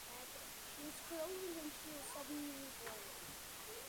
She started curling when she was seven years old.